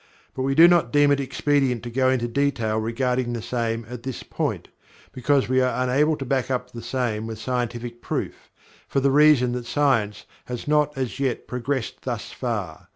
but we do not deem it expedient to go into detail regarding the same at this point, because we are unable to back up the same with scientific proof, for the reason that science has not as yet progressed thus far.